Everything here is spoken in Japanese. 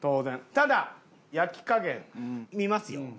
ただ焼き加減見ますよ。